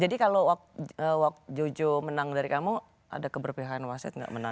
jadi kalau waktu jojo menang dari kamu ada keberpihakan wasit gak menang